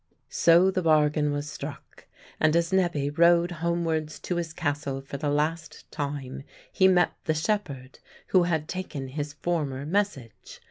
So the bargain was struck, and as Nebbe rode homewards to his castle for the last time, he met the shepherd who had taken his former message.